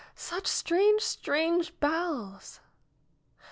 Such strange, strange bells